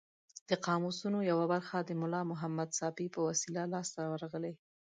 د قاموسونو یوه برخه د ملا محمد ساپي په وسیله لاس ته ورغلې.